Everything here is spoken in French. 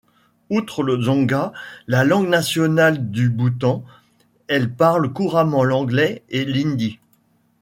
Outre le dzongkha, la langue nationale du Bhoutan, elle parle couramment l'anglais et l'hindi.